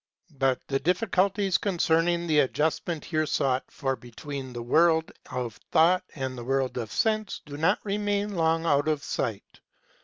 But the difficulties concerning the adjust ment here sought for between the World of Thought and the World of Sense do not remain long out of sight.